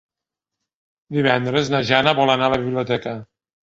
Divendres na Jana vol anar a la biblioteca.